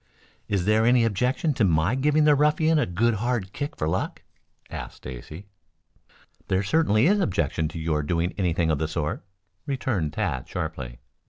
"Is there any objection to my giving the ruffian a good hard kick for luck?" asked Stacy. "There certainly is objection to your doing anything of the sort," returned Tad sharply.